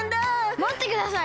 まってください。